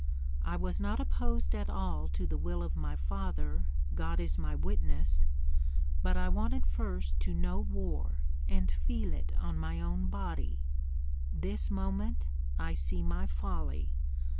I was not opposed at all to the will of my father, God is my witness; but I wanted first to know war and feel it on my own body. This moment I see my folly.